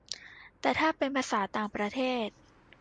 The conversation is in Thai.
แต่ถ้าเป็นภาษาต่างประเทศ